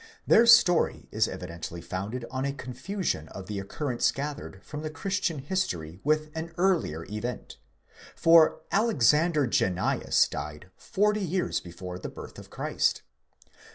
19 Their story is evi dently founded on a confusion of the occurrence gathered from the christian history, with an earlier event; for Alexander Jannzeus died 40 years before the birth of Christ.